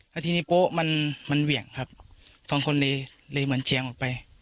แล้วทีนี้โป๊ะมันมันเหวี่ยงครับสองคนเลยเลยเหมือนเชียงออกไป